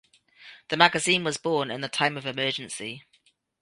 The magazine was born in the time of emergency.